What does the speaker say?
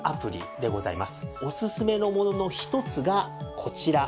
おすすめのものの一つがこちら。